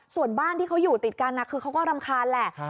ส่วนบ้านที่เขาอยู่ติดกันคือเขาก็รำคาญแหละ